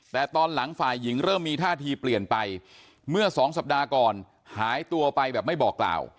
แต่ตอนหลังฝ่ายหญิงเริ่มมีท่าทีเปลี่ยนไปเมื่อสองสัปดาห์ก่อนหายตัวไปแบบไม่บอกกล่าว